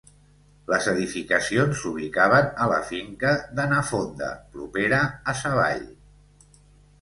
Les edificacions s'ubicaven a la finca de Na Fonda propera a Sa Vall.